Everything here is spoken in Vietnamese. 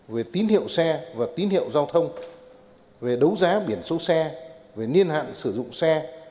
về tín hiệu xe và tín hiệu giao thông về đấu giá biển số xe về niên hạn sử dụng xe